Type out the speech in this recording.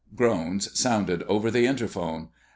Groans sounded over the interphone.